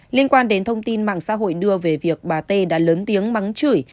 liên quan đến thông tin mạng xã hội đưa về việc bà tê đã lớn tiếng mắng chửi